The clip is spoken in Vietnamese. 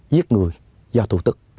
giết người do tù tức